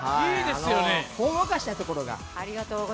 ほんわかしたところが。